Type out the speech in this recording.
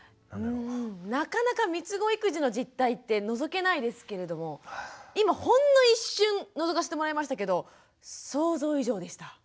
なかなかみつご育児の実態ってのぞけないですけれども今ほんの一瞬のぞかせてもらいましたけど想像以上でした。